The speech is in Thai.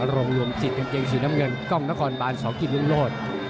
ลงรวมจิตกางเกงสีน้ำเงินก้องนครบานสองกินลุ้งโหด